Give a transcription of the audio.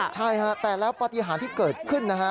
ใช่ฮะแต่แล้วปฏิหารที่เกิดขึ้นนะฮะ